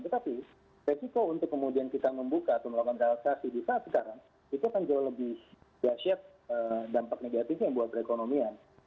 tetapi resiko untuk kemudian kita membuka atau melakukan relaksasi di saat sekarang itu akan jauh lebih dahsyat dampak negatifnya buat perekonomian